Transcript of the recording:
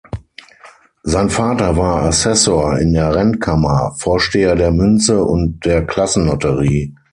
Sein Vater war Assessor in der Rentkammer, Vorsteher der Münze und der Klassenlotterie.